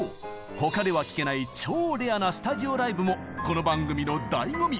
他では聴けない超レアなスタジオライブもこの番組のだいご味！